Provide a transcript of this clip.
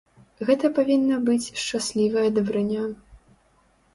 Гэта павінна быць шчаслівая дабрыня.